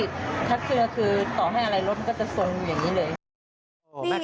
ถ้าเชื่อคือต่อให้อะไรลดก็จะสนอย่างนี้เลย